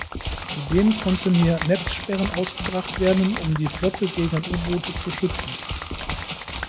Zudem konnten hier Netzsperren ausgebracht werden, um die Flotte gegen U-Boote zu schützen.